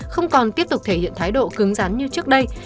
không còn tiếp tục thể hiện thái độ cứng rắn như trước đây